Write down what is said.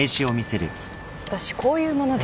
私こういう者です。